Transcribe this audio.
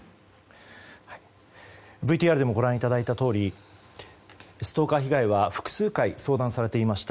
ＶＴＲでもご覧いただいたとおりストーカー被害は複数回、相談されていました。